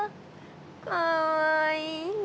かわいいね。